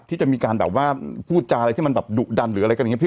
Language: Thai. ที่จะมีการแบบว่าพูดจาอะไรที่มันแบบดุดันหรืออะไรกันอย่างนี้พี่